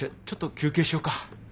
ちょっと休憩しようか。